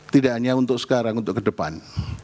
tidak hanya untuk sekarang untuk kedepan